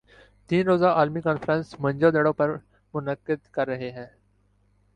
تین روزہ عالمی کانفرنس موئن جو دڑو پر منعقد کررہے ہیں